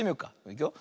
いくよ。